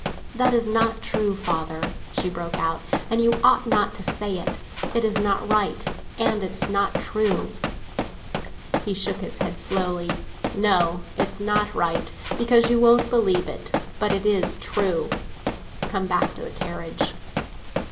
"That is not true, father," she broke out, "and you ought not to say it! It is not right, and it's not true!" He shook his head slowly. "No, it's not right, because you won't believe it. But it is true. Come back to the carriage."